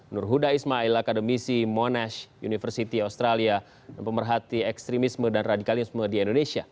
nurhuda ismail akademisi monash university australia dan pemerhati ekstrimisme dan radikalisme di indonesia